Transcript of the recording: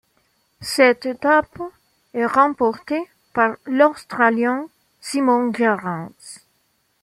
Cette étape est remportée par l'Australien Simon Gerrans.